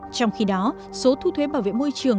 trong khi đó số thu thuế bảo vệ môi trường